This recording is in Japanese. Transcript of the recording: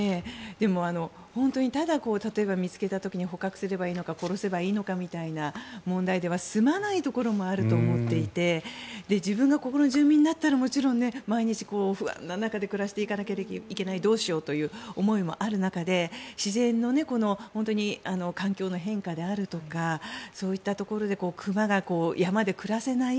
でも、本当に例えば見つけた時にただ捕獲すればいいのか殺せばいいのかという問題では済まないところもあると思っていて自分がここの住民だったらもちろん毎日、不安な中で暮らしていかなければいけないどうしようという思いもある中で自然の環境の変化であるとかそういったところで熊が山で暮らせない。